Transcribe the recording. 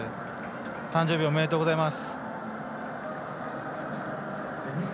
誕生日おめでとうございます。